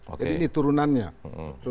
jadi ini turunannya pasal dua puluh satu